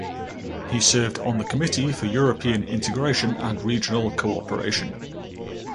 He served on the Committee for European integration and regional cooperation.